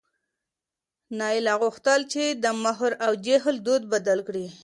نایله غوښتل چې د مهر او جهیز دود بدل کړي.